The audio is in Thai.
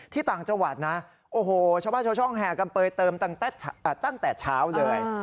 ที่ต่างจังหวัดช่วงแห่กำเปยเติมตั้งแต่เช้าเลย